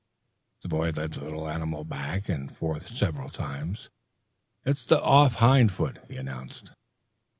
The boy led the little animal back and forth several times. "It's the off hind foot," he announced.